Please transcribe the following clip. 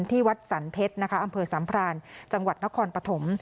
ที่วัดสรรเพชรนะคะอำเภอสัมพรานจังหวัดนครปฐม